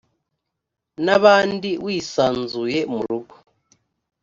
n abandi wisanzuye mu rugo